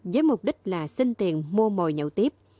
với mục đích là xin tiền mua mồi nhậu tiếp